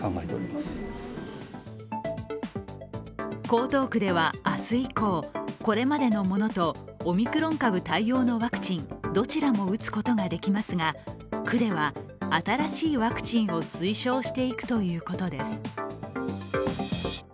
江東区では明日以降、これまでのものとオミクロン株対応のワクチンどちらも打つことができますが、区では新しいワクチンを推奨していくということです。